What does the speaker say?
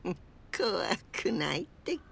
こわくないってけ。